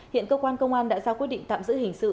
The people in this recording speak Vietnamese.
hiện cơ quan công an đã ra quyết định tạm giữ hình sự